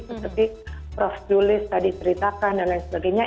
seperti prof julis tadi ceritakan dan lain sebagainya